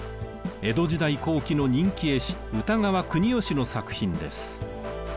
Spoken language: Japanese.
江戸時代後期の人気絵師歌川国芳の作品です。